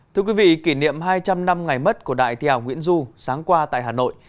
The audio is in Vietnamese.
thưa quý vị kỷ niệm hai trăm linh năm ngày mất của đại thi hào nguyễn du sáng qua tại hà nội